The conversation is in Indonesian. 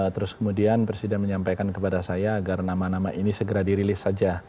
terus kemudian presiden menyampaikan kepada saya agar nama nama ini segera dirilis saja